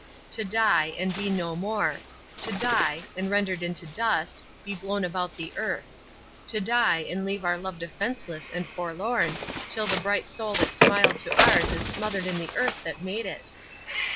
To die, and be no more; to die, and rendered into dust, be blown about the earth; to die and leave our love defenceless and forlorn, till the bright soul that smiled to ours is smothered in the earth that made it!